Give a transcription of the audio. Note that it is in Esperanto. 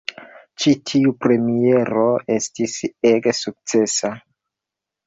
Ĉi tiu premiero estis ege sukcesa.